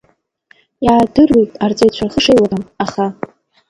Иаадыруеит арҵаҩцәа рхы шеилагам, аха…